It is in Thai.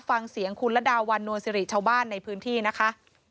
ฟังเสียงคุณระดาวันนวลสิริชาวบ้านในพื้นที่นะคะ